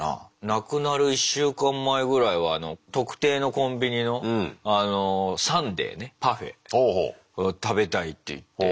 なくなる１週間前ぐらいは特定のコンビニのサンデーねパフェを食べたいって言って。